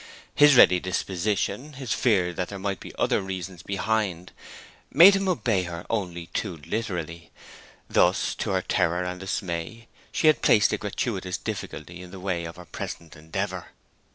His ready disposition, his fear that there might be other reasons behind, made him obey her only too literally. Thus, to her terror and dismay, she had placed a gratuitous difficulty in the way of her present endeavour.